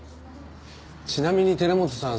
ちなみに寺本さん